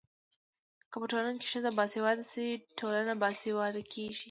که په ټولنه کي ښځه باسواده سي ټولنه باسواده کيږي.